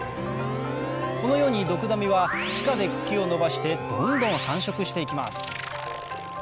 このようにドクダミは地下で茎を伸ばしてどんどん繁殖して行きます